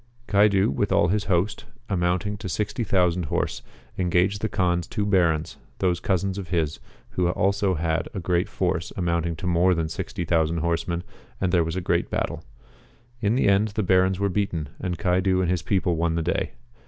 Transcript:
Caidu with all his host, amounting to 60,000 horse, engaged the Kaan's two Barons, those cousins of his, who had also a great force amounting to more than 60,000 horsemen, and there was a great battle. In the end the Barons were beaten, and Caidu and his people won the day.